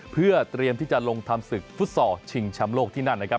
เพื่อเตรียมที่จะลงทำศึกฟุตซอลชิงแชมป์โลกที่นั่นนะครับ